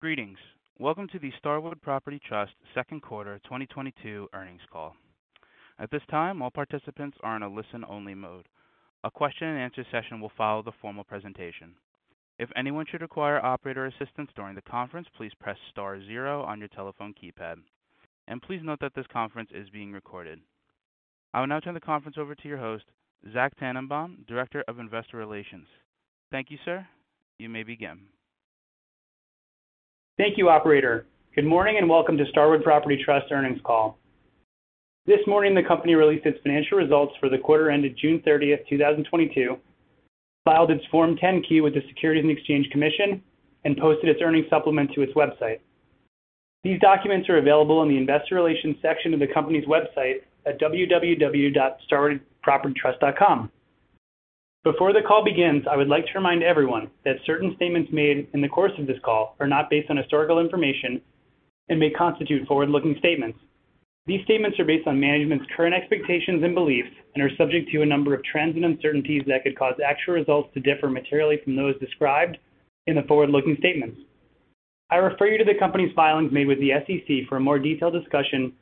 Greetings. Welcome to the Starwood Property Trust Second Quarter 2022 Earnings Call. At this time, all participants are in a listen-only mode. A question-and-answer session will follow the formal presentation. If anyone should require operator assistance during the conference, please press star zero on your telephone keypad. Please note that this conference is being recorded. I will now turn the conference over to your host, Zachary Tanenbaum, Director of Investor Relations. Thank you, sir. You may begin. Thank you, operator. Good morning, and welcome to Starwood Property Trust earnings call. This morning, the company released its financial results for the quarter ended June 30, 2022, filed its Form 10-Q with the Securities and Exchange Commission, and posted its earnings supplement to its website. These documents are available in the investor relations section of the company's website at www.starwoodpropertytrust.com. Before the call begins, I would like to remind everyone that certain statements made in the course of this call are not based on historical information and may constitute forward-looking statements. These statements are based on management's current expectations and beliefs and are subject to a number of trends and uncertainties that could cause actual results to differ materially from those described in the forward-looking statements. I refer you to the company's filings made with the SEC for a more detailed discussion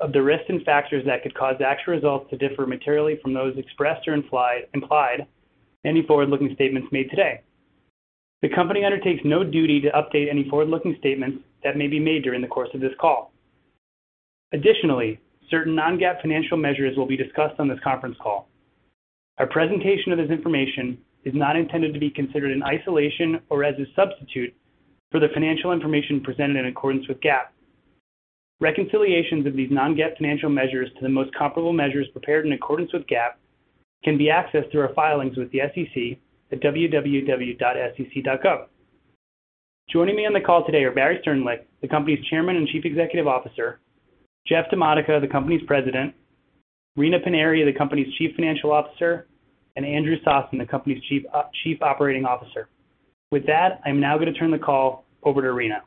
of the risks and factors that could cause actual results to differ materially from those expressed or implied in any forward-looking statements made today. The company undertakes no duty to update any forward-looking statements that may be made during the course of this call. Additionally, certain non-GAAP financial measures will be discussed on this conference call. Our presentation of this information is not intended to be considered in isolation or as a substitute for the financial information presented in accordance with GAAP. Reconciliations of these non-GAAP financial measures to the most comparable measures prepared in accordance with GAAP can be accessed through our filings with the SEC at www.sec.gov. Joining me on the call today are Barry Sternlicht, the company's Chairman and Chief Executive Officer, Jeff DiModica, the company's President, Rina Paniry, the company's Chief Financial Officer, and Andrew Sossen, the company's Chief Operating Officer. With that, I'm now gonna turn the call over to Rina.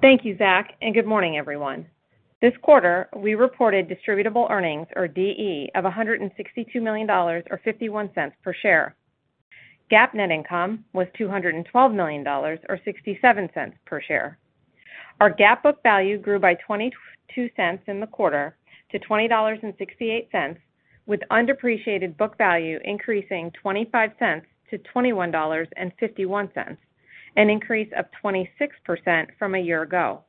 Thank you, Zach, and good morning, everyone. This quarter, we reported distributable earnings or DE of $162 million or $0.51 per share. GAAP net income was $212 million or $0.67 per share. Our GAAP book value grew by $0.22 in the quarter to $20.68, with undepreciated book value increasing $0.25 to $21.51, an increase of 26% from a year ago.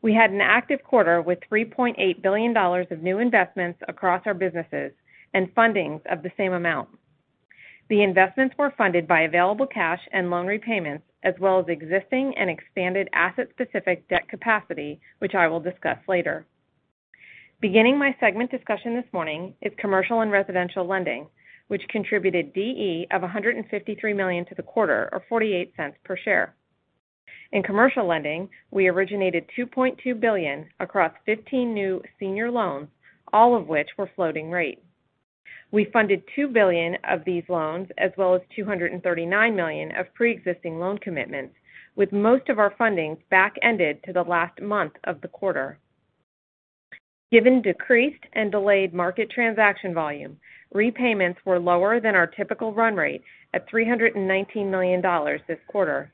We had an active quarter with $3.8 billion of new investments across our businesses and fundings of the same amount. The investments were funded by available cash and loan repayments as well as existing and expanded asset-specific debt capacity, which I will discuss later. Beginning my segment discussion this morning is commercial and residential lending, which contributed DE of $153 million to the quarter, or $0.48 per share. In commercial lending, we originated $2.2 billion across 15 new senior loans, all of which were floating rate. We funded $2 billion of these loans, as well as $239 million of preexisting loan commitments, with most of our fundings back-ended to the last month of the quarter. Given decreased and delayed market transaction volume, repayments were lower than our typical run rate at $319 million this quarter.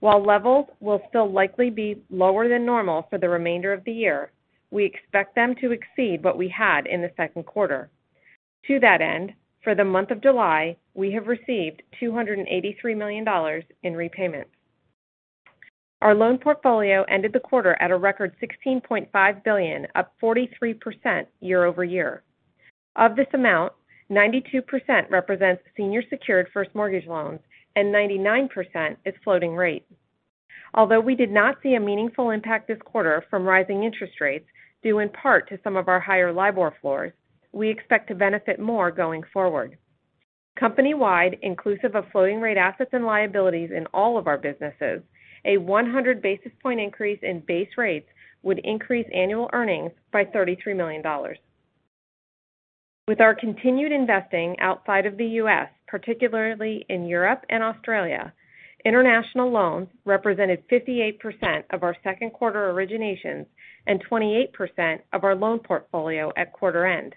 While levels will still likely be lower than normal for the remainder of the year, we expect them to exceed what we had in the second quarter. To that end, for the month of July, we have received $283 million in repayments. Our loan portfolio ended the quarter at a record $16.5 billion, up 43% year-over-year. Of this amount, 92% represents senior secured first mortgage loans and 99% is floating rate. Although we did not see a meaningful impact this quarter from rising interest rates, due in part to some of our higher LIBOR floors, we expect to benefit more going forward. Company-wide, inclusive of floating rate assets and liabilities in all of our businesses, a 100 basis point increase in base rates would increase annual earnings by $33 million. With our continued investing outside of the U.S., particularly in Europe and Australia, international loans represented 58% of our second quarter originations and 28% of our loan portfolio at quarter end.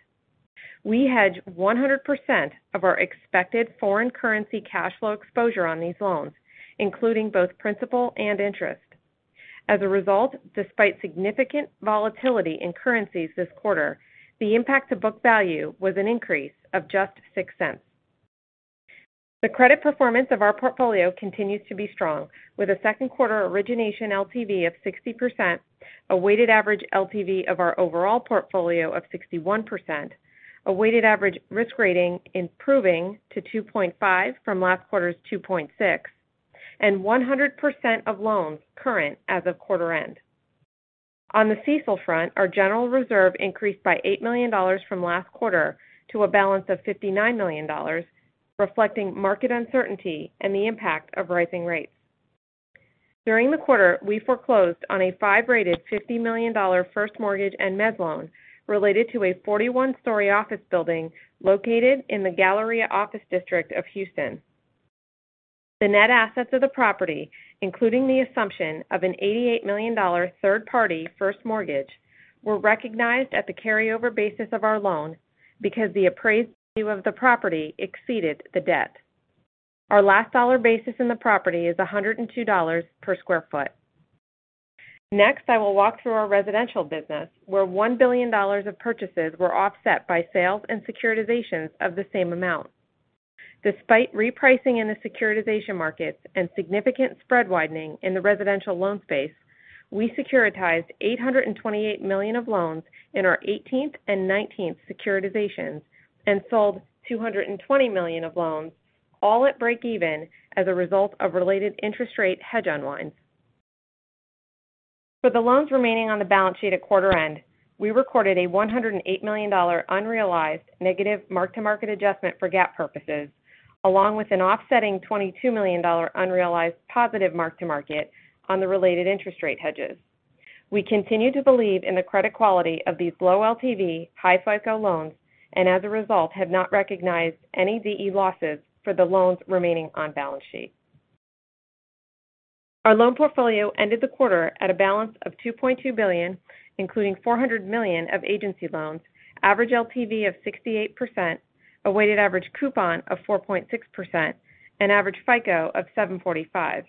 We hedge 100% of our expected foreign currency cash flow exposure on these loans, including both principal and interest. As a result, despite significant volatility in currencies this quarter, the impact to book value was an increase of just $0.06. The credit performance of our portfolio continues to be strong with a second quarter origination LTV of 60%, a weighted average LTV of our overall portfolio of 61%, a weighted average risk rating improving to 2.5 from last quarter's 2.6, and 100% of loans current as of quarter end. On the CECL front, our general reserve increased by $8 million from last quarter to a balance of $59 million, reflecting market uncertainty and the impact of rising rates. During the quarter, we foreclosed on a 5-rated $50 million first mortgage and mezz loan related to a 41-story office building located in the Galleria Office District of Houston. The net assets of the property, including the assumption of an $88 million third-party first mortgage, were recognized at the carryover basis of our loan because the appraised value of the property exceeded the debt. Our last dollar basis in the property is $102 per sq ft. Next, I will walk through our residential business where $1 billion of purchases were offset by sales and securitizations of the same amount. Despite repricing in the securitization markets and significant spread widening in the residential loan space, we securitized $828 million of loans in our eighteenth and nineteenth securitization and sold $220 million of loans, all at break even as a result of related interest rate hedge unwinds. For the loans remaining on the balance sheet at quarter end, we recorded a $108 million dollar unrealized negative mark-to-market adjustment for GAAP purposes, along with an offsetting $22 million dollar unrealized positive mark-to-market on the related interest rate hedges. We continue to believe in the credit quality of these low LTV, high FICO loans, and as a result, have not recognized any CECL losses for the loans remaining on balance sheet. Our loan portfolio ended the quarter at a balance of $2.2 billion, including $400 million of agency loans, average LTV of 68%, a weighted average coupon of 4.6%, and average FICO of 745.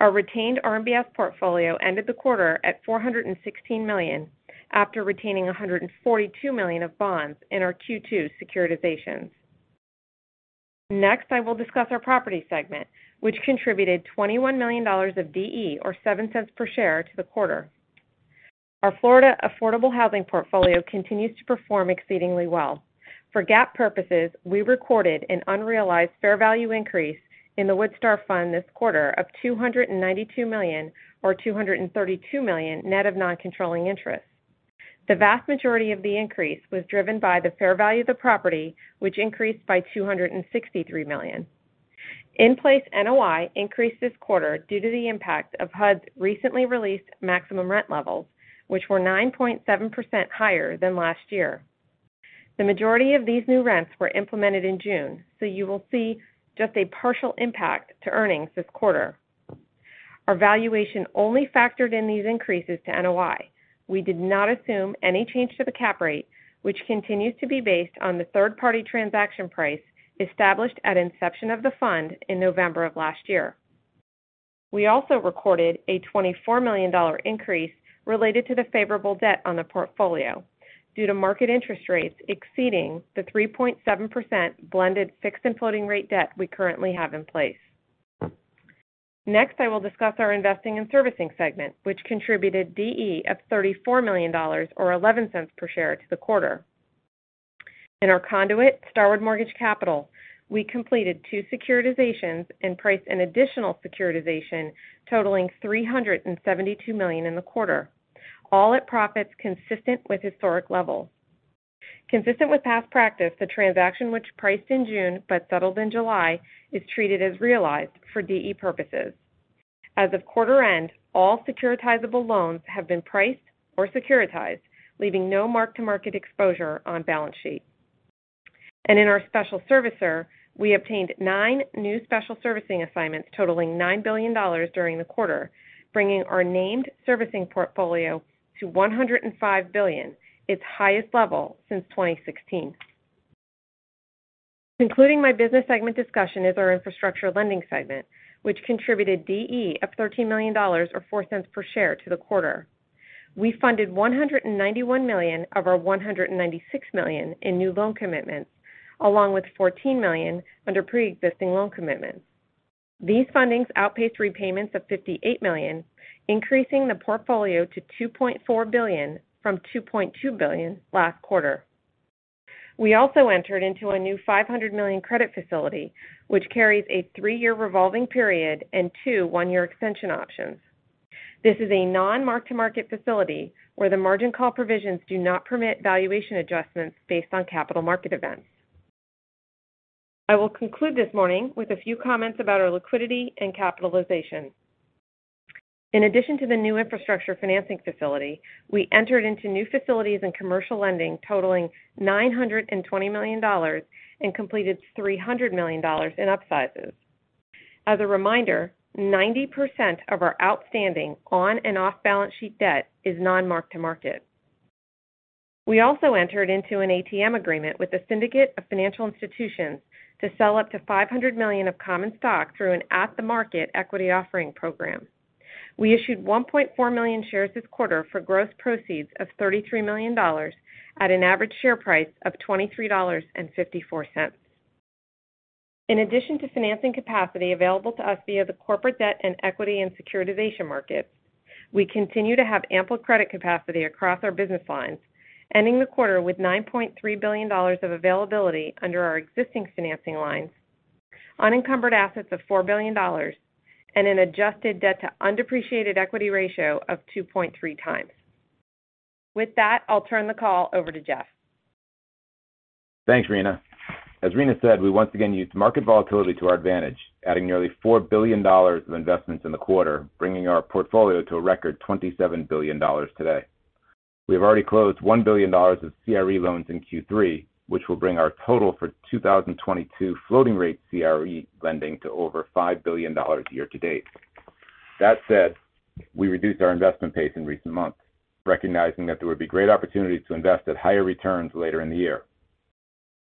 Our retained RMBS portfolio ended the quarter at $416 million after retaining $142 million of bonds in our Q2 securitization. Next, I will discuss our property segment, which contributed $21 million of DE, or $0.07 per share to the quarter. Our Florida affordable housing portfolio continues to perform exceedingly well. For GAAP purposes, we recorded an unrealized fair value increase in the Woodstar Fund this quarter of $292 million or $232 million net of non-controlling interest. The vast majority of the increase was driven by the fair value of the property, which increased by $263 million. In-place NOI increased this quarter due to the impact of HUD's recently released maximum rent levels, which were 9.7% higher than last year. The majority of these new rents were implemented in June, so you will see just a partial impact to earnings this quarter. Our valuation only factored in these increases to NOI. We did not assume any change to the cap rate, which continues to be based on the third-party transaction price established at inception of the fund in November of last year. We also recorded a $24 million increase related to the favorable debt on the portfolio due to market interest rates exceeding the 3.7% blended fixed and floating rate debt we currently have in place. Next, I will discuss our investing and servicing segment, which contributed DE of $34 million or $0.11 per share to the quarter. In our conduit, Starwood Mortgage Capital, we completed two securitizations and priced an additional securitization totaling $372 million in the quarter, all at profits consistent with historic levels. Consistent with past practice, the transaction which priced in June but settled in July is treated as realized for DE purposes. As of quarter end, all securitizable loans have been priced or securitized, leaving no mark-to-market exposure on balance sheet. In our special servicer, we obtained nine new special servicing assignments totaling $9 billion during the quarter, bringing our named servicing portfolio to $105 billion, its highest level since 2016. Concluding my business segment discussion is our infrastructure lending segment, which contributed DE of $13 million or $0.04 per share to the quarter. We funded 191 million of our 196 million in new loan commitments, along with 14 million under pre-existing loan commitments. These fundings outpaced repayments of 58 million, increasing the portfolio to $2.4 billion from $2.2 billion last quarter. We also entered into a new $500 million credit facility, which carries a 3-year revolving period and two 1-year extension options. This is a non-mark-to-market facility where the margin call provisions do not permit valuation adjustments based on capital market events. I will conclude this morning with a few comments about our liquidity and capitalization. In addition to the new infrastructure financing facility, we entered into new facilities in commercial lending totaling $920 million and completed $300 million in upsizes. As a reminder, 90% of our outstanding on and off balance sheet debt is non-mark-to-market. We also entered into an ATM agreement with the Syndicate of Financial Institutions to sell up to $500 million of common stock through an at-the-market equity offering program. We issued 1.4 million shares this quarter for gross proceeds of $33 million at an average share price of $23.54. In addition to financing capacity available to us via the corporate debt and equity and securitization markets, we continue to have ample credit capacity across our business lines, ending the quarter with $9.3 billion of availability under our existing financing lines, unencumbered assets of $4 billion, and an adjusted debt-to-undepreciated equity ratio of 2.3 times. With that, I'll turn the call over to Jeff. Thanks, Rina. As Rina said, we once again used market volatility to our advantage, adding nearly $4 billion of investments in the quarter, bringing our portfolio to a record $27 billion today. We have already closed $1 billion of CRE loans in Q3, which will bring our total for 2022 floating rate CRE lending to over $5 billion year to date. That said, we reduced our investment pace in recent months, recognizing that there would be great opportunities to invest at higher returns later in the year.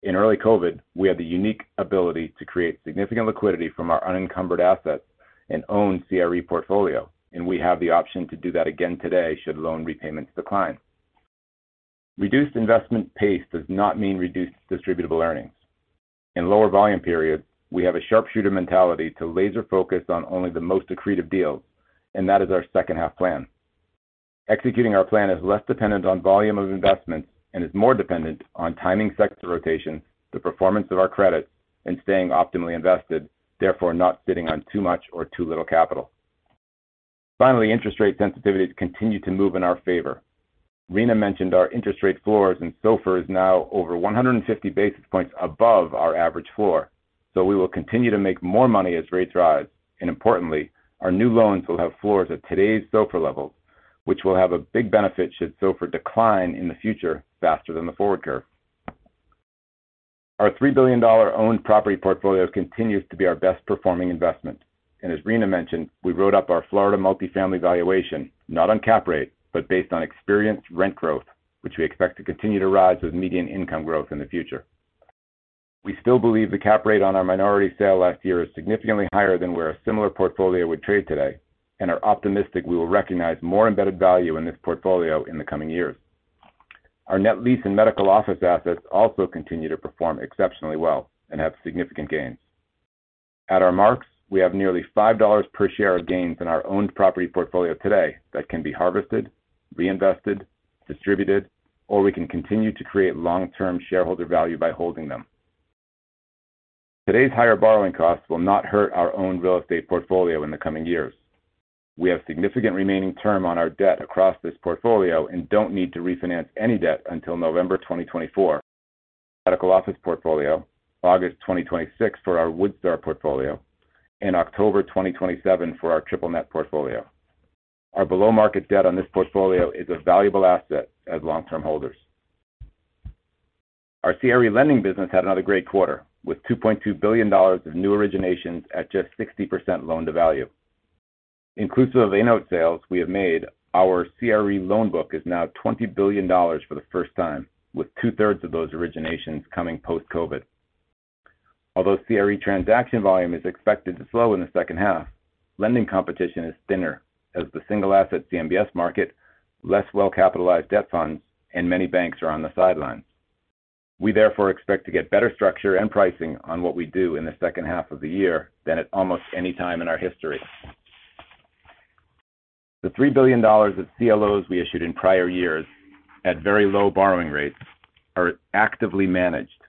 In early COVID, we had the unique ability to create significant liquidity from our unencumbered assets and our own CRE portfolio, and we have the option to do that again today should loan repayments decline. Reduced investment pace does not mean reduced distributable earnings. In lower volume periods, we have a sharpshooter mentality to laser focus on only the most accretive deals, and that is our second half plan. Executing our plan is less dependent on volume of investments and is more dependent on timing sector rotation, the performance of our credit and staying optimally invested, therefore not sitting on too much or too little capital. Finally, interest rate sensitivities continue to move in our favor. Rina mentioned our interest rate floors and SOFR is now over 150 basis points above our average floor. We will continue to make more money as rates rise, and importantly, our new loans will have floors at today's SOFR levels, which will have a big benefit should SOFR decline in the future faster than the forward curve. Our $3 billion owned property portfolio continues to be our best-performing investment. As Rina mentioned, we wrote up our Florida multifamily valuation not on cap rate, but based on expected rent growth, which we expect to continue to rise with median income growth in the future. We still believe the cap rate on our minority sale last year is significantly higher than where a similar portfolio would trade today and are optimistic we will recognize more embedded value in this portfolio in the coming years. Our net lease and medical office assets also continue to perform exceptionally well and have significant gains. At our marks, we have nearly $5 per share of gains in our owned property portfolio today that can be harvested, reinvested, distributed, or we can continue to create long-term shareholder value by holding them. Today's higher borrowing costs will not hurt our own real estate portfolio in the coming years. We have significant remaining term on our debt across this portfolio and don't need to refinance any debt until November 2024. Medical office portfolio, August 2026 for our Woodstar portfolio, and October 2027 for our triple net portfolio. Our below-market debt on this portfolio is a valuable asset as long-term holders. Our CRE lending business had another great quarter, with $2.2 billion of new originations at just 60% loan to value. Inclusive of A-note sales we have made, our CRE loan book is now $20 billion for the first time, with two-thirds of those originations coming post-COVID. Although CRE transaction volume is expected to slow in the second half, lending competition is thinner as the single asset CMBS market, less well-capitalized debt funds, and many banks are on the sidelines. We therefore expect to get better structure and pricing on what we do in the second half of the year than at almost any time in our history. The $3 billion of CLOs we issued in prior years at very low borrowing rates are actively managed,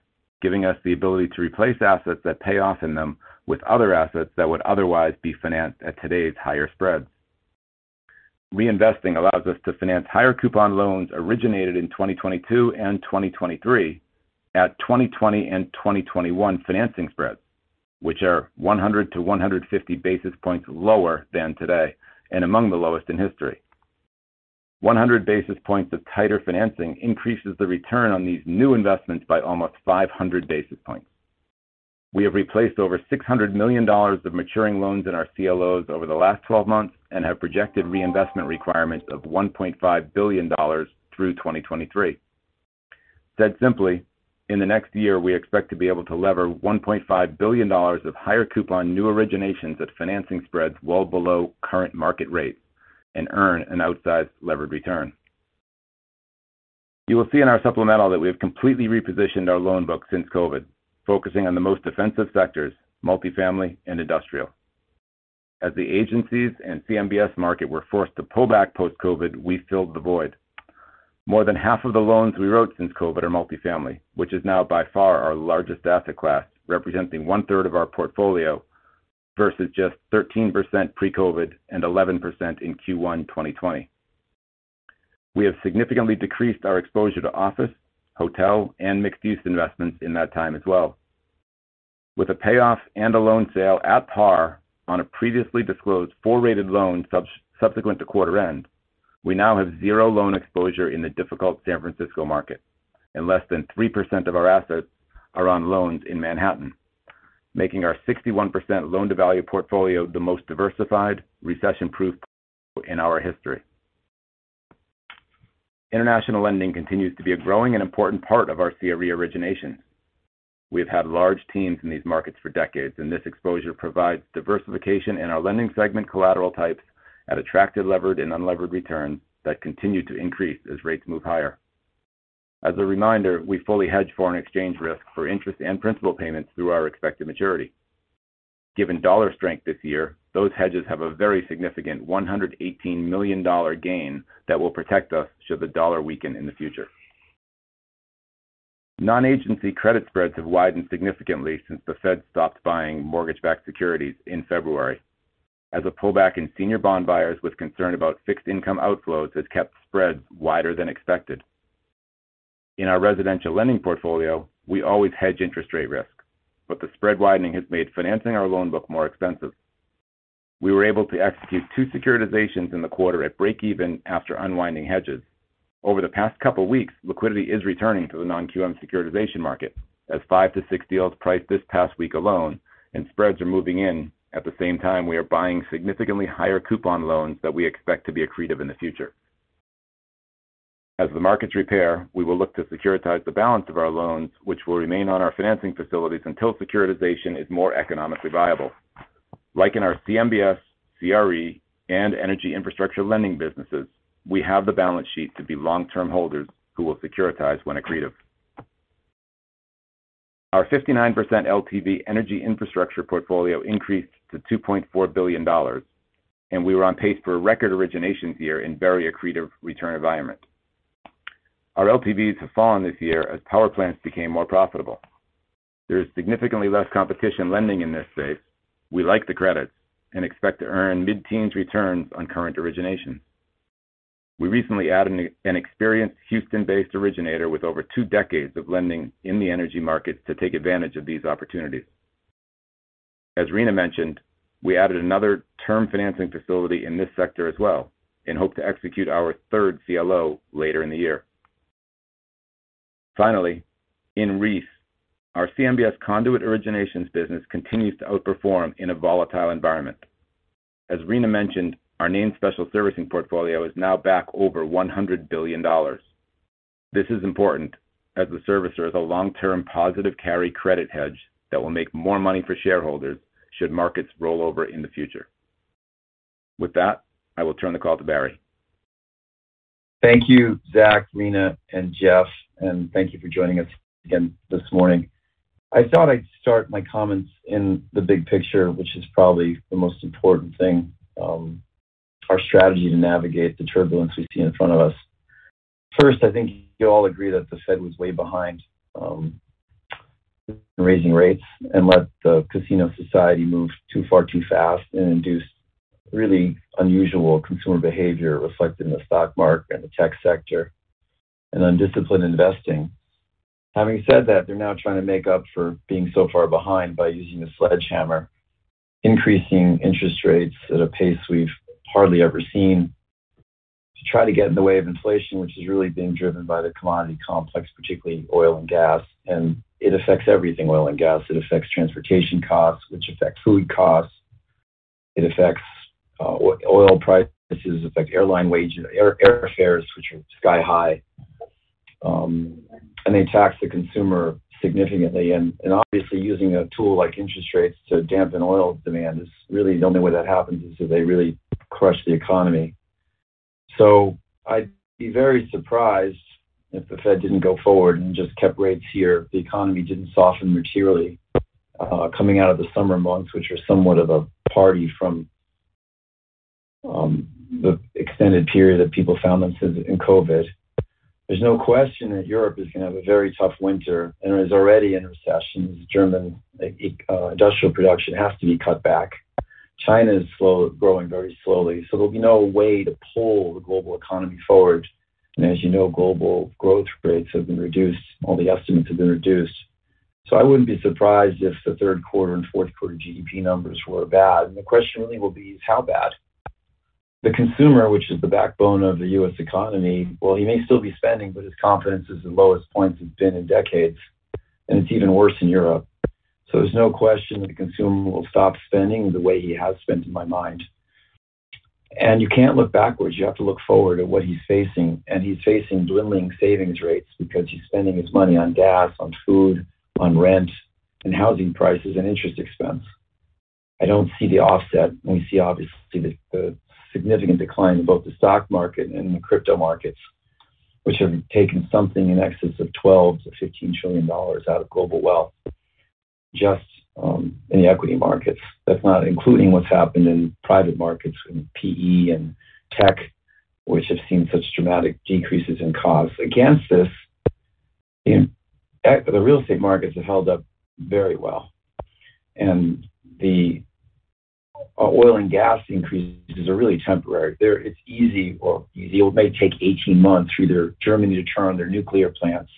giving us the ability to replace assets that pay off in them with other assets that would otherwise be financed at today's higher spreads. Reinvesting allows us to finance higher coupon loans originated in 2022 and 2023 at 2020 and 2021 financing spreads, which are 100-150 basis points lower than today and among the lowest in history. 100 basis points of tighter financing increases the return on these new investments by almost 500 basis points. We have replaced over $600 million of maturing loans in our CLOs over the last 12 months and have projected reinvestment requirements of $1.5 billion through 2023. Said simply, in the next year, we expect to be able to lever $1.5 billion of higher coupon new originations at financing spreads well below current market rates and earn an outsized levered return. You will see in our supplemental that we have completely repositioned our loan book since COVID, focusing on the most defensive sectors, multifamily, and industrial. As the agencies and CMBS market were forced to pull back post-COVID, we filled the void. More than half of the loans we wrote since COVID are multifamily, which is now by far our largest asset class, representing 1/3 of our portfolio versus just 13% pre-COVID and 11% in Q1 2020. We have significantly decreased our exposure to office, hotel, and mixed-use investments in that time as well. With a payoff and a loan sale at par on a previously disclosed four-rated loan subsequent to quarter end, we now have zero loan exposure in the difficult San Francisco market and less than 3% of our assets are on loans in Manhattan, making our 61% loan-to-value portfolio the most diversified, recession-proof portfolio in our history. International lending continues to be growing and important part of our CRE originations. We have had large teams in these markets for decades, and this exposure provides diversification in our lending segment collateral types at attractive levered and unlevered returns that continue to increase as rates move higher. As a reminder, we fully hedge foreign exchange risk for interest and principal payments through our expected maturity. Given dollar strength this year, those hedges have a very significant $118 million gain that will protect us should the dollar weaken in the future. Non-agency credit spreads have widened significantly since the Fed stopped buying mortgage-backed securities in February as a pullback in senior bond buyers with concern about fixed income outflows has kept spreads wider than expected. In our residential lending portfolio, we always hedge interest rate risk, but the spread widening has made financing our loan book more expensive. We were able to execute two securitizations in the quarter at break even after unwinding hedges. Over the past couple weeks, liquidity is returning to the non-QM securitization market as 5-6 deals priced this past week alone and spreads are moving in. At the same time, we are buying significantly higher coupon loans that we expect to be accretive in the future. As the markets repair, we will look to securitize the balance of our loans, which will remain on our financing facilities until securitization is more economically viable. Like in our CMBS, CRE, and energy infrastructure lending businesses, we have the balance sheet to be long-term holders who will securitize when accretive. Our 59% LTV energy infrastructure portfolio increased to $2.4 billion, and we were on pace for a record originations year in very accretive return environment. Our LTVs have fallen this year as power plants became more profitable. There is significantly less competition lending in this space. We like the credits and expect to earn mid-teens returns on current originations. We recently added an experienced Houston-based originator with over two decades of lending in the energy markets to take advantage of these opportunities. As Rina mentioned, we added another term financing facility in this sector as well and hope to execute our third CLO later in the year. Finally, in REITs, our CMBS conduit originations business continues to outperform in a volatile environment. As Rina mentioned, our named special servicing portfolio is now back over $100 billion. This is important as the servicer is a long-term positive carry credit hedge that will make more money for shareholders should markets roll over in the future. With that, I will turn the call to Barry. Thank you, Zach, Rina, and Jeff, and thank you for joining us again this morning. I thought I'd start my comments in the big picture, which is probably the most important thing, our strategy to navigate the turbulence we see in front of us. First, I think you all agree that the Fed was way behind, raising rates and let the casino society move too far too fast and induce really unusual consumer behavior reflected in the stock market and the tech sector and undisciplined investing. Having said that, they're now trying to make up for being so far behind by using a sledgehammer, increasing interest rates at a pace we've hardly ever seen to try to get in the way of inflation, which is really being driven by the commodity complex, particularly oil and gas. It affects everything, oil and gas. It affects transportation costs, which affect food costs. It affects oil prices. It affects airfares, which are sky-high. They tax the consumer significantly. Obviously using a tool like interest rates to dampen oil demand is really the only way that happens is if they really crush the economy. I'd be very surprised if the Fed didn't go forward and just kept rates here. The economy didn't soften materially coming out of the summer months, which are somewhat of a party from the extended period that people found themselves in COVID. There's no question that Europe is going to have a very tough winter and is already in recession as German industrial production has to be cut back. China is growing very slowly, so there'll be no way to pull the global economy forward. As you know, global growth rates have been reduced. All the estimates have been reduced. I wouldn't be surprised if the third quarter and fourth quarter GDP numbers were bad. The question really will be is how bad. The consumer, which is the backbone of the U.S. economy, well, he may still be spending, but his confidence is the lowest point it's been in decades, and it's even worse in Europe. There's no question the consumer will stop spending the way he has spent in my mind. You can't look backwards. You have to look forward at what he's facing, and he's facing dwindling savings rates because he's spending his money on gas, on food, on rent, and housing prices and interest expense. I don't see the offset. We see obviously the significant decline in both the stock market and the crypto markets, which have taken something in excess of $12 trillion-$15 trillion out of global wealth, just in the equity markets. That's not including what's happened in private markets, in PE and tech, which have seen such dramatic decreases in costs. Against this, the real estate markets have held up very well, and the oil and gas increases are really temporary. It's easy to see. It may take 18 months for either Germany to turn on their nuclear plants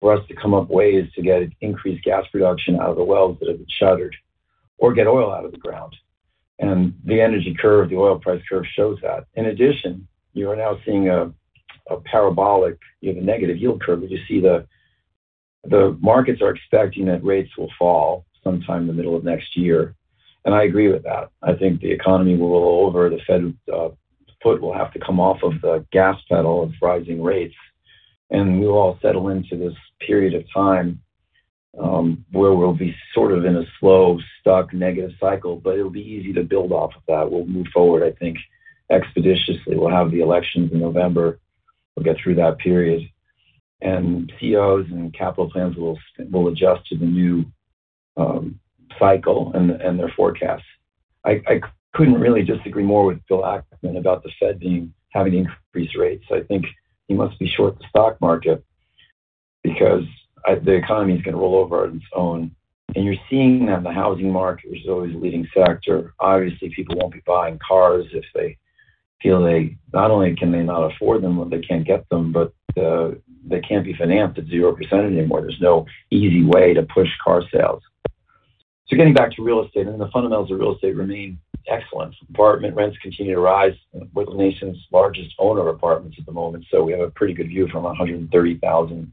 or us to come up with ways to get increased gas production out of the wells that have been shuttered or get oil out of the ground. The energy curve, the oil price curve shows that. In addition, you are now seeing a parabolic. You have a negative yield curve, but you see the markets are expecting that rates will fall sometime in the middle of next year. I agree with that. I think the economy will roll over. The Fed foot will have to come off of the gas pedal of rising rates, and we will all settle into this period of time where we'll be sort of in a slow, stuck, negative cycle. It'll be easy to build off of that. We'll move forward, I think, expeditiously. We'll have the elections in November. We'll get through that period. CEOs and capital plans will adjust to the new cycle and their forecasts. I couldn't really disagree more with Bill Ackman about the Fed having to increase rates. I think he must be short the stock market because the economy is going to roll over on its own. You're seeing that in the housing market, which is always a leading sector. Obviously, people won't be buying cars if they feel they not only can they not afford them or they can't get them, but they can't be financed at 0% anymore. There's no easy way to push car sales. Getting back to real estate and the fundamentals of real estate remain excellent. Apartment rents continue to rise. We're the nation's largest owner of apartments at the moment, so we have a pretty good view from 130,000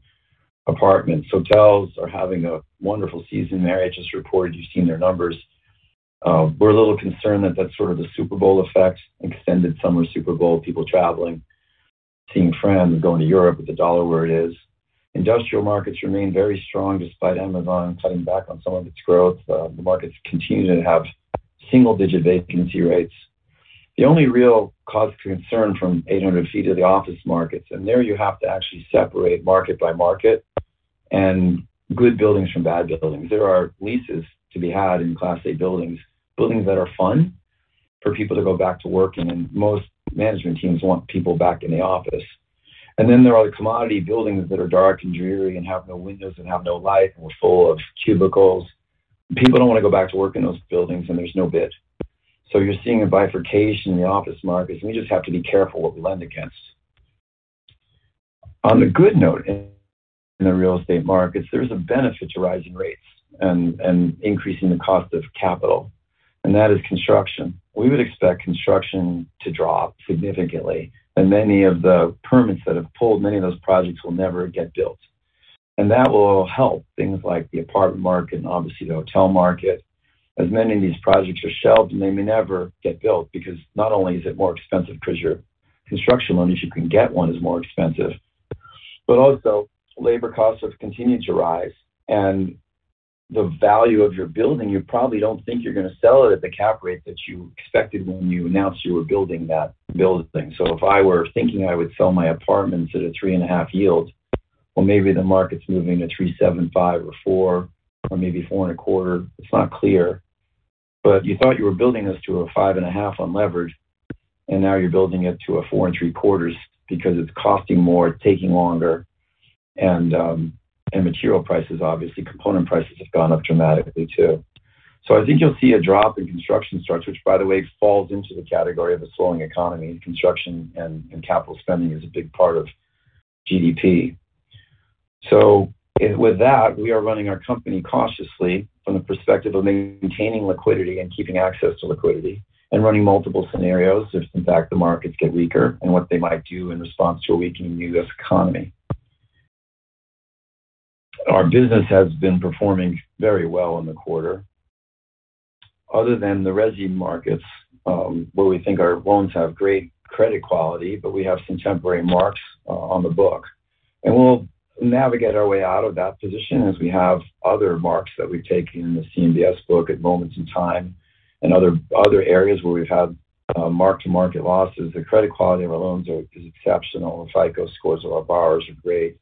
apartments. Hotels are having a wonderful season there. I just reported. You've seen their numbers. We're a little concerned that that's sort of the Super Bowl effect, extended summer Super bowl, people traveling, seeing friends, going to Europe with the dollar where it is. Industrial markets remain very strong despite Amazon cutting back on some of its growth. The markets continue to have single-digit vacancy rates. The only real cause for concern from 800 feet are the office markets. There you have to actually separate market by market and good buildings from bad buildings. There are leases to be had in Class A buildings that are fun for people to go back to work. Most management teams want t people back in the office. Then there are the commodity buildings that are dark and dreary and have no windows and have no light and were full of cubicles. People don't want to go back to work in those buildings, and there's no bid. You're seeing a bifurcation in the office markets, and we just have to be careful what we lend against. On a good note in the real estate markets, there's a benefit to rising rates and increasing the cost of capital, and that is construction. We would expect construction to drop significantly. Many of the permits that have been pulled many of those projects will never get built. That will help things like the apartment market and obviously the hotel market, as many of these projects are shelved, and they may never get built because not only is it more expensive, because the construction loans you can get are more expensive, but also labor costs have continued to rise. The value of your building, you probably don't think you're going to sell it at the cap rate that you expected when you announced you were building that building. If I were thinking I would sell my apartments at a 3.5% yield, well, maybe the market's moving to 3.75% or 4% or maybe 4.25%. It's not clear. You thought you were building this to a 5.5% on leverage, and now you're building it to a 4.75% because it's costing more, taking longer, and material prices, obviously, component prices have gone up dramatically too. I think you'll see a drop in construction starts, which, by the way, falls into the category of a slowing economy. Construction and capital spending is a big part of GDP. With that, we are running our company cautiously from the perspective of maintaining liquidity and keeping access to liquidity and running multiple scenarios if in fact the markets get weaker and what they might do in response to a weakening U.S. economy. Our business has been performing very well in the quarter other than the resi markets, where we think our loans have great credit quality, but we have some temporary marks on the book. We'll navigate our way out of that position as we have other marks that we've taken in the CMBS book at moments in time and other areas where we've had mark-to-market losses. The credit quality of our loans is exceptional. The FICO scores of our borrowers are great.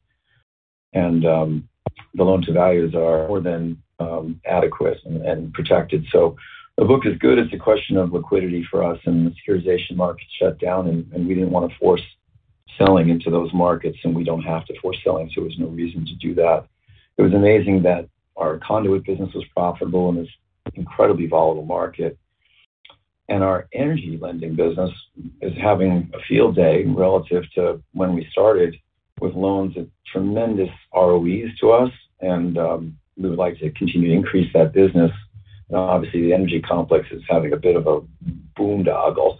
The loan to values are more than adequate and protected. The book is good. It's a question of liquidity for us, and the securitization markets shut down, and we didn't want to force selling into those markets, and we don't have to force selling, so there's no reason to do that. It was amazing that our conduit business was profitable in this incredibly volatile market. Our energy lending business is having a field day relative to when we started with loans at tremendous ROEs to us. We would like to continue to increase that business. Obviously, the energy complex is having a bit of a boondoggle,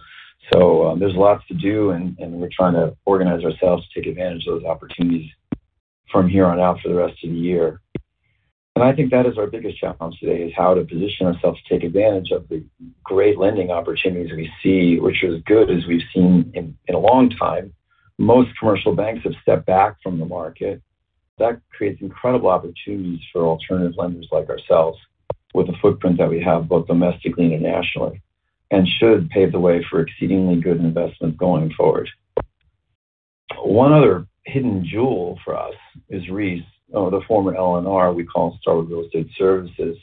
so there's lots to do, and we're trying to organize ourselves to take advantage of those opportunities from here on out for the rest of the year. I think that is our biggest challenge today, is how to position ourselves to take advantage of the great lending opportunities we see, which is good as we've seen in a long time. Most commercial banks have stepped back from the market. That creates incredible opportunities for alternative lenders like ourselves with the footprint that we have, both domestically and internationally, and should pave the way for exceedingly good investment going forward. One other hidden jewel for us is REIS, the former LNR we call Starwood Real Estate Services.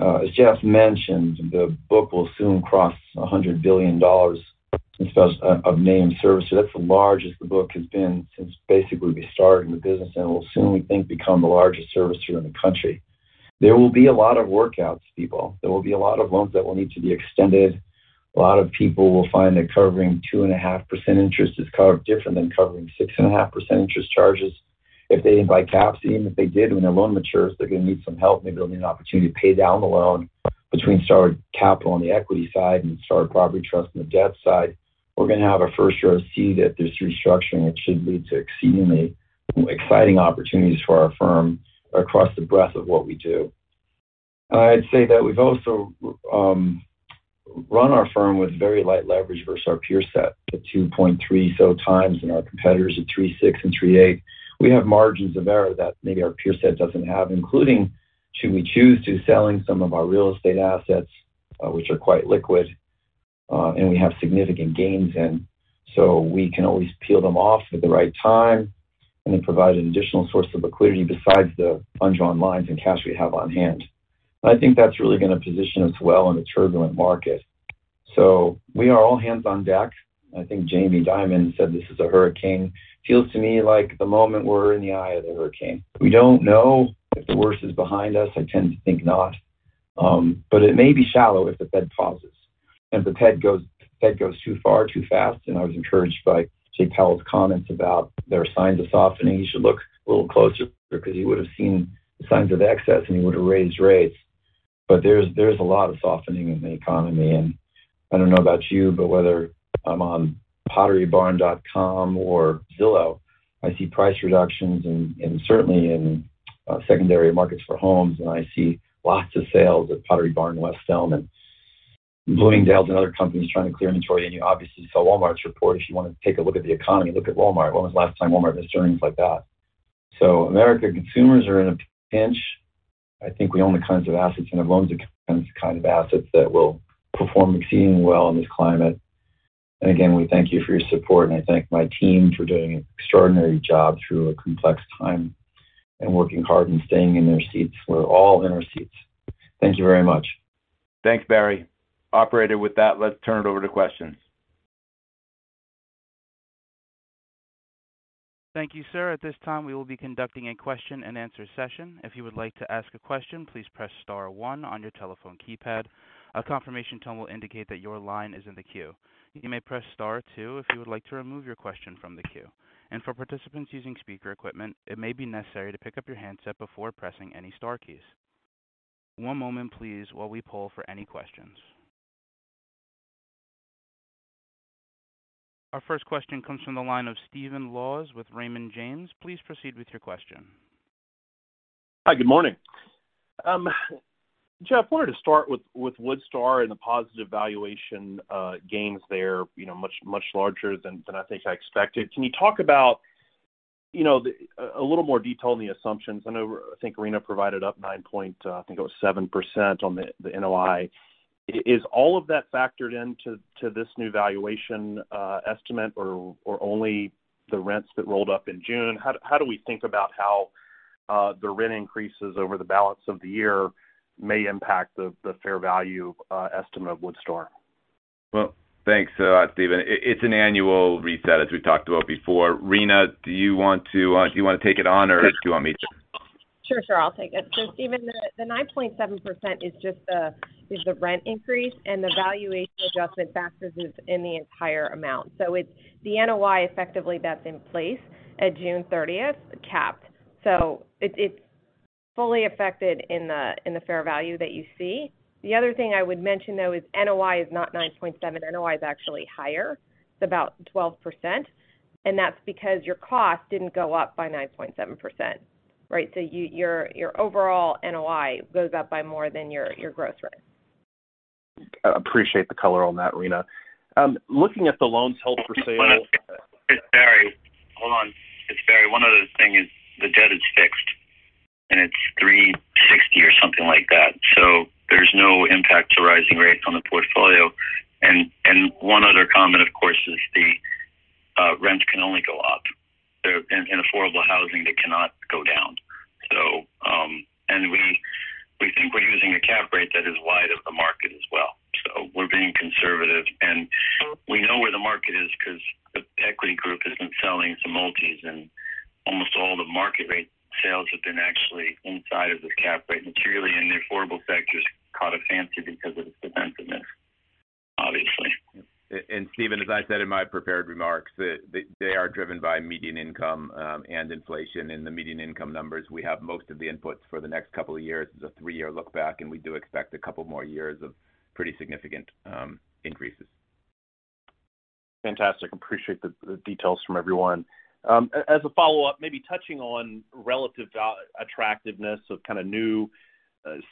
As Jeff mentioned, the book will soon cross $100 billion in terms of servicing. That's the largest the book has been since basically we started in the business. It will soon, we think, become the largest servicer in the country. There will be a lot of workouts, people. There will be a lot of loans that will need to be extended. A lot of people will find that covering 2.5% interest is kind of different than covering 6.5% interest charges. If they didn't buy caps, even if they did, when their loan matures, they're going to need some help. Maybe they'll need an opportunity to pay down the loan between Starwood Capital on the equity side and Starwood Property Trust on the debt side. We're going to have a first-year seat at this restructuring, which should lead to exceedingly exciting opportunities for our firm across the breadth of what we do. I'd say that we've also run our firm with very light leverage versus our peer set to 2.3x, and our competitors are 3.6 and 3.8. We have margins of error that maybe our peer set doesn't have, including should we choose to sell some of our real estate assets, which are quite liquid, and we have significant gains in. We can always peel them off at the right time and then provide an additional source of liquidity besides the undrawn lines and cash we have on hand. I think that's really going to position us well in a turbulent market. We are all hands on deck. I think Jamie Dimon said this is a hurricane. Feels to me like the moment we're in the eye of the hurricane. We don't know if the worst is behind us. I tend to think not. But it may be shallow if the Fed pauses. If the Fed goes too far too fast, and I was encouraged by Jerome Powell's comments about there are signs of softening. He should look a little closer because he would have seen the signs of excess, and he would have raised rates. There's a lot of softening in the economy and... ...I don't know about you, but whether I'm on PotteryBarn.com or Zillow, I see price reductions and certainly in secondary markets for homes. I see lots of sales at Pottery Barn, West Elm, and Bloomingdale's and other companies trying to clear inventory. You obviously saw Walmart's report. If you want to take a look at the economy, look at Walmart. When was the last time Walmart missed earnings like that? American consumers are in a pinch. I think we own the kinds of assets and the loans that will perform exceedingly well in this climate. Again, we thank you for your support, and I thank my team for doing an extraordinary job through a complex time and working hard and staying in their seats. We're all in our seats. Thank you very much. Thanks, Barry. Operator, with that, let's turn it over to questions. Thank you, sir. At this time, we will be conducting a question-and-answer session. If you would like to ask a question, please press star one on your telephone keypad. A confirmation tone will indicate that your line is in the queue. You may press star two if you would like to remove your question from the queue. For participants using speaker equipment, it may be necessary to pick up your handset before pressing any star keys. One moment please while we poll for any questions. Our first question comes from the line of Stephen Laws with Raymond James. Please proceed with your question. Hi, good morning. Jeff, wanted to start with Woodstar and the positive valuation gains there, you know, much larger than I think I expected. Can you talk about, you know, a little more detail on the assumptions? I think Rina provided up 9.7% on the NOI. Is all of that factored into this new valuation estimate or only the rents that rolled up in June? How do we think about how the rent increases over the balance of the year may impact the fair value estimate of Woodstar? Well, thanks, Stephen. It's an annual reset, as we talked about before. Rina, do you wanna take it on or do you want me to? Sure, I'll take it. Stephen, the 9.7% is just the rent increase and the valuation adjustment factors is in the entire amount. It's the NOI effectively that's in place at June 30, capped. It's fully affected in the fair value that you see. The other thing I would mention, though, is NOI is not 9.7%. NOI is actually higher. It's about 12%. And that's because your cost didn't go up by 9.7%, right? Your overall NOI goes up by more than your growth rate. I appreciate the color on that, Rina. Looking at the loans held for sale. It's Barry. Hold on. It's Barry. One other thing is the debt is fixed and it's 3.60 or something like that. There's no impact to rising rates on the portfolio. One other comment, of course, is the rents can only go up. In affordable housing, they cannot go down. We think we're using a cap rate that is wide of the market as well. We're being conservative. We know where the market is because the equity group has been selling some multis and almost all the market rate sales have been actually inside of this cap rate materially in the affordable sector's caught a fancy because of the sentiment, obviously. Stephen, as I said in my prepared remarks, they are driven by median income and inflation. In the median income numbers, we have most of the inputs for the next couple of years. It's a three-year look back, and we do expect a couple more years of pretty significant increases. Fantastic. Appreciate the details from everyone. As a follow-up, maybe touching on relative attractiveness of kind of new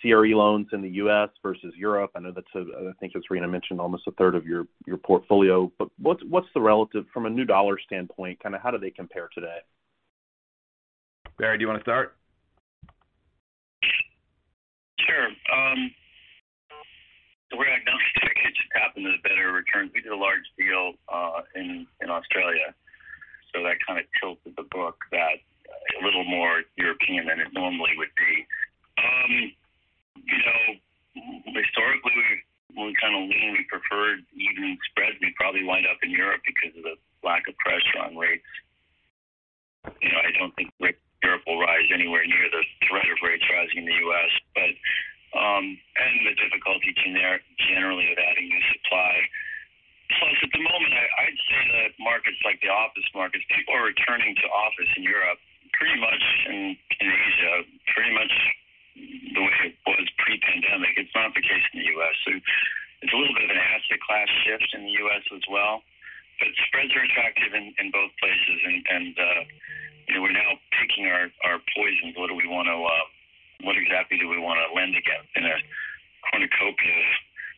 CRE loans in the U.S. versus Europe. I know that's, I think as Rina mentioned, almost a third of your portfolio. What's the relative from a yield standpoint, kind of how do they compare today? Barry, do you want to start? Sure. We're agnostic. It just happens that better returns. We did a large deal in Australia, so that kind of tilted the book a little more European than it normally would be. You know, historically, we kind of lean, we preferred widening spreads. We probably wind up in Europe because of the lack of pressure on rates. You know, I don't think rates in Europe will rise anywhere near the rate of rates rising in the U.S.. The difficulty generally with adding new supply. Plus, at the moment, I'd say that markets like the office markets, people are returning to office in Europe pretty much, and in Asia, pretty much the way it was pre-pandemic. It's not the case in the U.S. It's a little bit of an asset class shift in the U.S. as well. Spreads are attractive in both places. You know, we're now picking our poisons. What exactly do we wanna lend against in a cornucopia of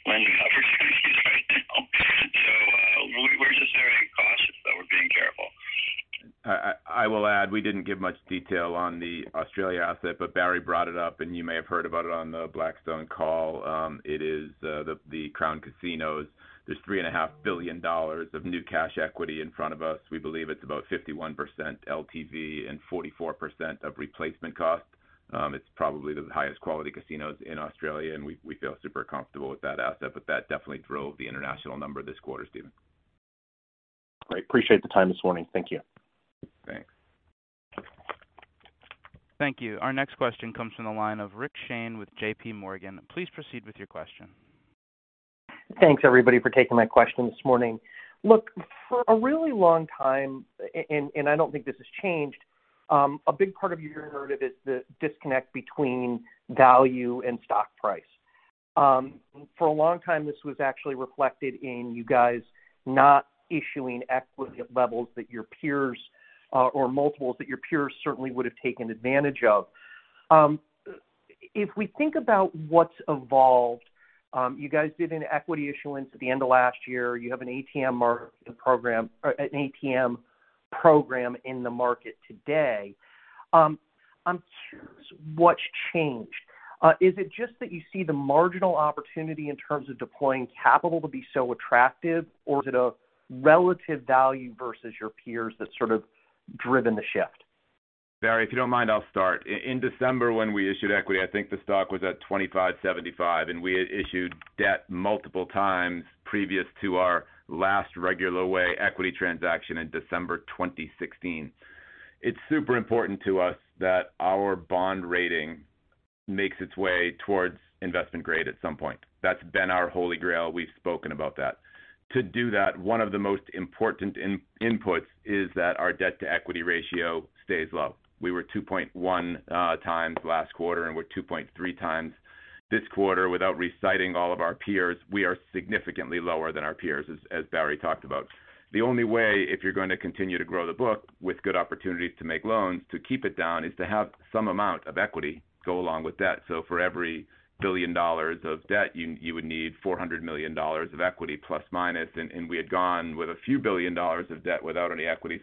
lending opportunities right now? We're just very cautious, but we're being careful. I will add, we didn't give much detail on the Australia asset, but Barry brought it up and you may have heard about it on the Blackstone call. It is the Crown Resorts. There's $3.5 billion of new cash equity in front of us. We believe it's about 51% LTV and 44% of replacement cost. It's probably the highest quality casinos in Australia, and we feel super comfortable with that asset, but that definitely drove the international number this quarter, Stephen. Great. Appreciate the time this morning. Thank you. Thanks. Thank you. Our next question comes from the line of Rick Shane with JPMorgan. Please proceed with your question. Thanks everybody for taking my question this morning. Look, for a really long time, and I don't think this has changed, a big part of your narrative is the disconnect between value and stock price. For a long time, this was actually reflected in you guys not issuing equity at levels that your peers, or multiples that your peers certainly would have taken advantage of. If we think about what's evolved, you guys did an equity issuance at the end of last year. You have an ATM program in the market today. I'm curious what's changed. Is it just that you see the marginal opportunity in terms of deploying capital to be so attractive or is it a relative value versus your peers that's sort of driven the shift? Barry, if you don't mind, I'll start. In December when we issued equity, I think the stock was at $25.75, and we had issued debt multiple times previous to our last regular way equity transaction in December 2016. It's super important to us that our bond rating makes its way towards investment grade at some point. That's been our Holy Grail. We've spoken about that. To do that, one of the most important inputs is that our debt to equity ratio stays low. We were 2.1 times last quarter, and we're 2.3 times this quarter. Without reciting all of our peers, we are significantly lower than our peers, as Barry talked about. The only way if you're gonna continue to grow the book with good opportunities to make loans, to keep it down, is to have some amount of equity go along with debt. For every $1 billion of debt, you would need $400 million of equity, plus or minus. We had gone with a few billion dollars of debt without any equity.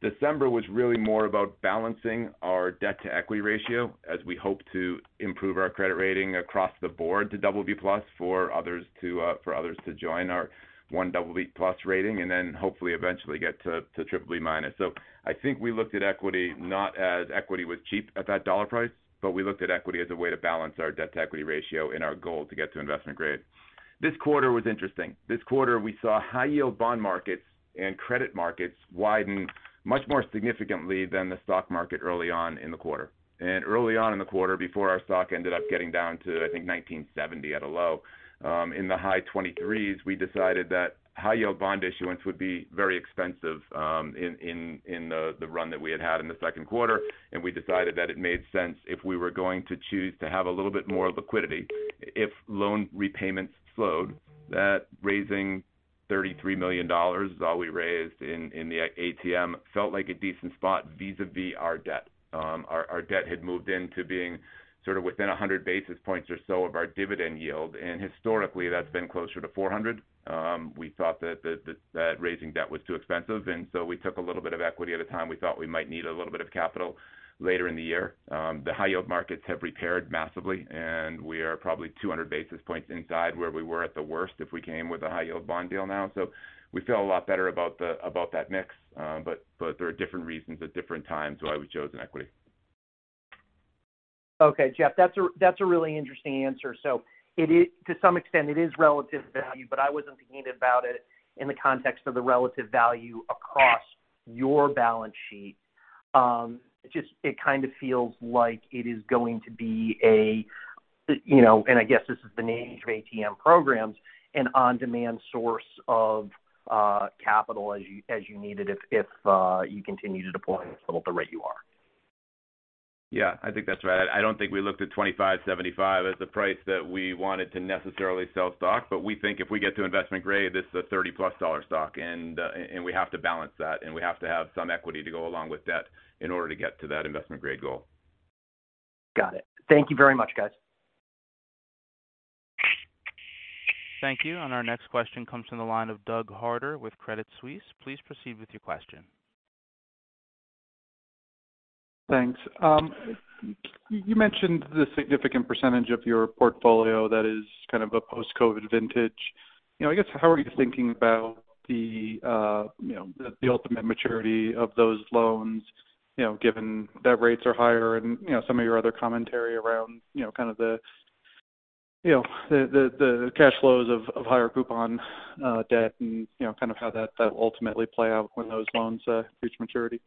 December was really more about balancing our debt to equity ratio as we hope to improve our credit rating across the board to BB+ for others to for others to join our own BB+ rating, and then hopefully eventually get to BBB-. I think we looked at equity not as equity was cheap at that dollar price, but we looked at equity as a way to balance our debt to equity ratio in our goal to get to investment grade. This quarter was interesting. This quarter, we saw high-yield bond markets and credit markets widen much more significantly than the stock market early on in the quarter. Early on in the quarter, before our stock ended up getting down to, I think, $19.70 at a low, in the high $23s, we decided that high-yield bond issuance would be very expensive, in the run that we had had in the second quarter. We decided that it made sense if we were going to choose to have a little bit more liquidity if loan repayments slowed, that raising $33 million is all we raised in the ATM. Felt like a decent spot vis-à-vis our debt. Our debt had moved into being sort of within 100 basis points or so of our dividend yield, and historically that's been closer to 400. We thought that raising debt was too expensive, and so we took a little bit of equity at a time we thought we might need a little bit of capital later in the year. The high-yield markets have repaired massively, and we are probably 200 basis points inside where we were at the worst if we came with a high-yield bond deal now. We feel a lot better about that mix. But there are different reasons at different times why we chose an equity. Okay, Jeff, that's a really interesting answer. It is to some extent relative value, but I wasn't thinking about it in the context of the relative value across your balance sheet. Just it kind of feels like it is going to be a, you know, and I guess this is the nature of ATM programs, an on-demand source of capital as you need it if you continue to deploy at the rate you are. Yeah. I think that's right. I don't think we looked at $25.75 as the price that we wanted to necessarily sell stock, but we think if we get to investment grade, this is a $30+ stock. We have to balance that, and we have to have some equity to go along with debt in order to get to that investment grade goal. Got it. Thank you very much, guys. Thank you. Our next question comes from the line of Douglas Harter with Credit Suisse. Please proceed with your question. Thanks. You mentioned the significant percentage of your portfolio that is kind of a post-COVID vintage. You know, I guess how are you thinking about the ultimate maturity of those loans, you know, given that rates are higher and, you know, some of your other commentary around, you know, kind of the cash flows of higher coupon debt and, you know, kind of how that ultimately play out when those loans reach maturity.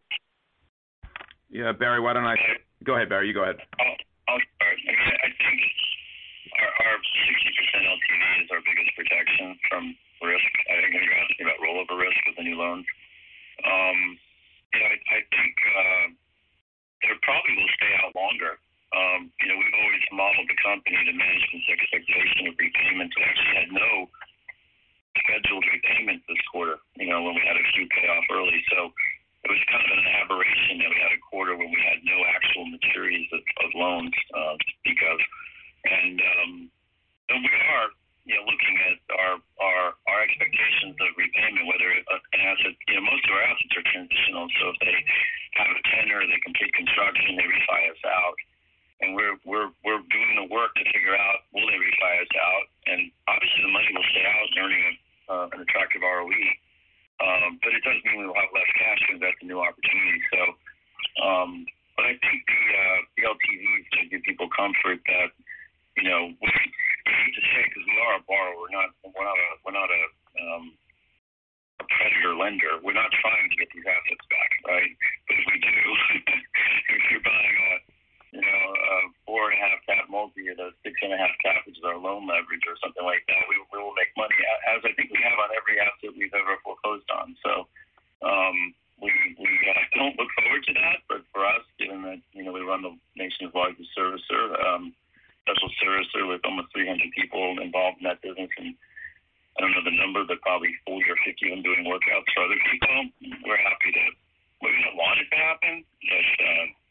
If you're buying a, you know, a 4.5 times multi or those 6.5 foreclosed on. We don't look forward to that. For us, given that, you know, we run the nation's largest servicer, special servicer with almost 300 people involved in that business, and I don't know the number, but probably 40 or 50 of them doing workouts for other people, we wouldn't want it to happen, but,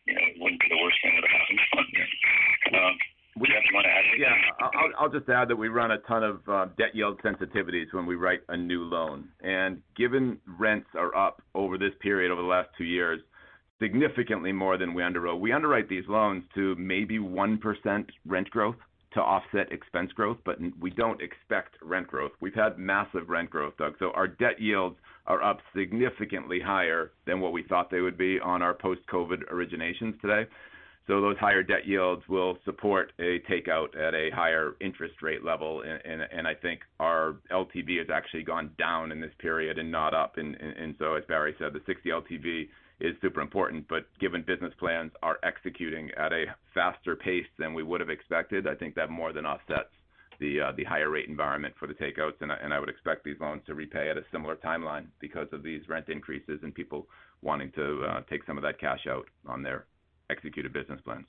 you know, it wouldn't be the worst thing that happened. Do you guys want to add anything? Yeah. I'll just add that we run a ton of debt yield sensitivities when we write a new loan. Given rents are up over this period over the last two years, significantly more than we underwrote. We underwrite these loans to maybe 1% rent growth to offset expense growth, but we don't expect rent growth. We've had massive rent growth, Doug. Our debt yields are up significantly higher than what we thought they would be on our post-COVID originations today. Those higher debt yields will support a takeout at a higher interest rate level. I think our LTV has actually gone down in this period and not up. As Barry said, the 60 LTV is super important. Given business plans are executing at a faster pace than we would have expected, I think that more than offsets the higher rate environment for the takeouts. I would expect these loans to repay at a similar timeline because of these rent increases and people wanting to take some of that cash out on their executed business plans.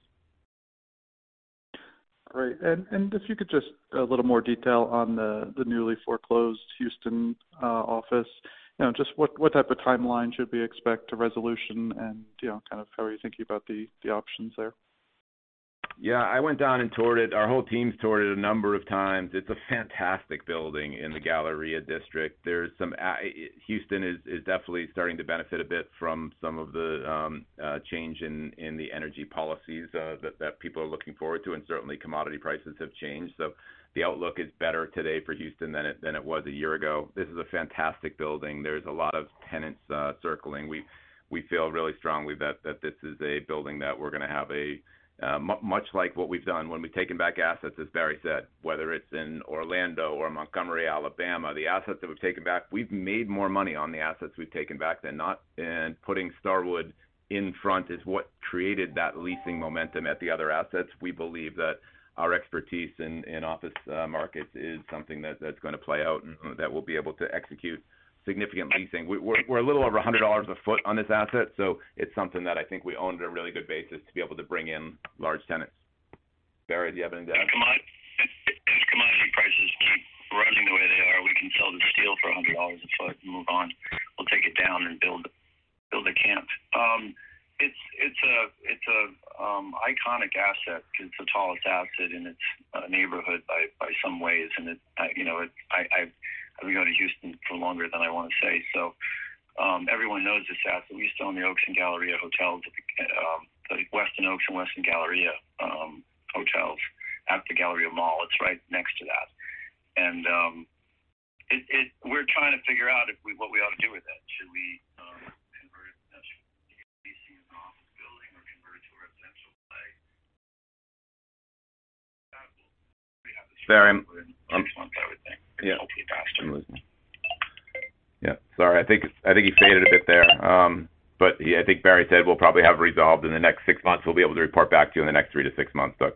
Great. If you could just a little more detail on the newly foreclosed Houston office. You know, just what type of timeline should we expect to resolution and, you know, kind of how are you thinking about the options there? Yeah, I went down and toured it. Our whole team's toured it a number of times. It's a fantastic building in the Galleria district. Houston is definitely starting to benefit a bit from some of the change in the energy policies that people are looking forward to, and certainly commodity prices have changed. The outlook is better today for Houston than it was a year ago. This is a fantastic building. There's a lot of tenants circling. We feel really strongly that this is a building that we're gonna have a much like what we've done when we've taken back assets, as Barry said, whether it's in Orlando or Montgomery, Alabama. The assets that we've taken back, we've made more money on the assets we've taken back than not. Putting Starwood in front is what created that leasing momentum at the other assets. We believe that our expertise in office markets is something that's gonna play out and that we'll be able to execute significant leasing. We're a little over $100 a foot on this asset, so it's something that I think we own at a really good basis to be able to bring in large tenants. Barry, do you have anything to add? If commodity prices keep rising the way they are, we can sell the steel for $100 a foot and move on. We'll take it down and build a camp. It's an iconic asset. It's the tallest asset in its neighborhood by some ways. It. You know, I haven't gone to Houston for longer than I want to say, so everyone knows this asset. We used to own the Westin Oaks and Westin Galleria hotels at the Galleria Mall. It's right next to that. We're trying to figure out what we ought to do with it. Should we leave the AC and office building or convert to a residential leg. Barry, I'm [inaudible] [inaudible] 6 months, I would think. It'll be faster. Yeah. Sorry, I think he faded a bit there. Yeah, I think Barry said we'll probably have it resolved in the next six months. We'll be able to report back to you in the next 3-6 months, Doug.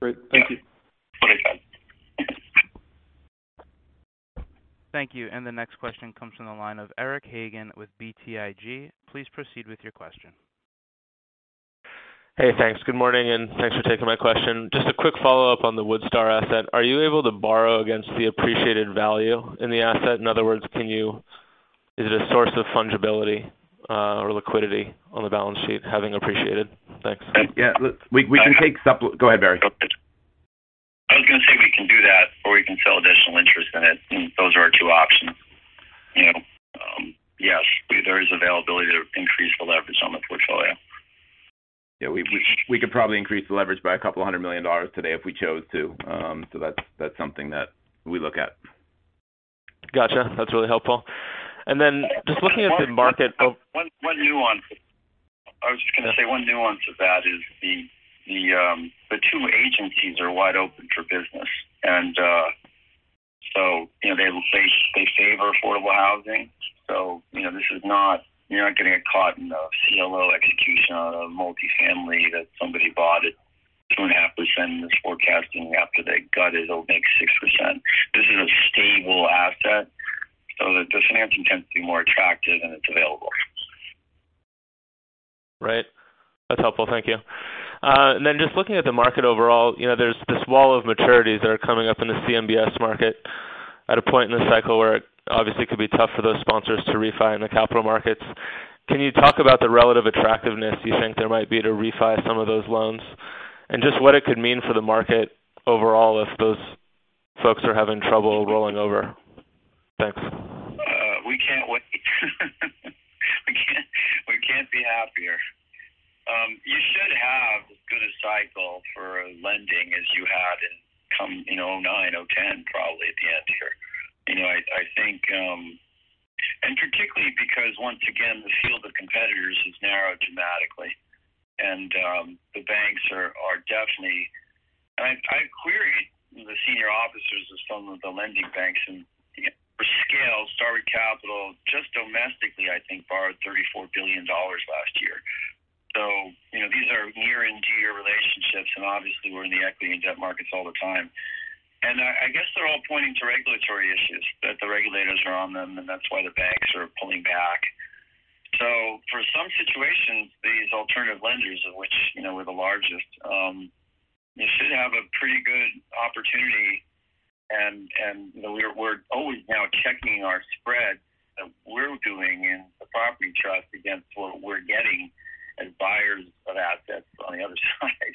Great. Thank you. Yeah. Thanks. Thank you. The next question comes from the line of Eric Hagen with BTIG. Please proceed with your question. Hey, thanks. Good morning, and thanks for taking my question. Just a quick follow-up on the Woodstar asset. Are you able to borrow against the appreciated value in the asset? In other words, is it a source of fungibility or liquidity on the balance sheet having appreciated? Thanks. Yeah. We can take. Go ahead, Barry. I was gonna say we can do that or we can sell additional interest in it. Those are our two options. You know, yes, there is availability to increase the leverage on the portfolio. Yeah, we could probably increase the leverage by $200 million today if we chose to. That's something that we look at. Gotcha. That's really helpful. Just looking at the market. One nuance. I was just gonna say one nuance of that is the two agencies are wide open for business. You know, they favor affordable housing. You know, this is not. You're not gonna get caught in a CLO execution on a multifamily that somebody bought at 2.5% and is forecasting after they gut it'll make 6%. This is a stable asset, so the financing tends to be more attractive and it's available. Right. That's helpful. Thank you. Just looking at the market overall, you know, there's this wall of maturities that are coming up in the CMBS market at a point in the cycle where it obviously could be tough for those sponsors to refi in the capital markets. Can you talk about the relative attractiveness you think there might be to refi some of those loans? Just what it could mean for the market overall if those folks are having trouble rolling over. Thanks. We can't wait. We can't be happier. You should have as good a cycle for lending as you had in '09, '10 probably at the end here. You know, I think. Particularly because once again, the field of competitors has narrowed dramatically and the banks are definitely. I queried the senior officers of some of the lending banks. For scale, Starwood Capital, just domestically, I think borrowed $34 billion last year. The equity and debt markets all the time. I guess they're all pointing to regulatory issues, that the regulators are on them, and that's why the banks are pulling back. For some situations, these alternative lenders, of which, you know, we're the largest, they should have a pretty good opportunity. We're always now checking our spreads that we're doing in the Property Trust against what we're getting as buyers of assets on the other side.